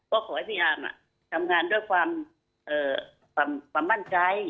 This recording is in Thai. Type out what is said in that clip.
ก็ขอให้พี่อาร์มทำงานด้วยความมั่นใจ